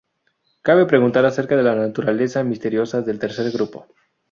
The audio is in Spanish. Cabe preguntar acerca de la naturaleza misteriosa del tercer grupo.